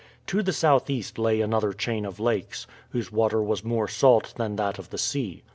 To the southeast lay another chain of lakes, whose water was more salt than that of the sea.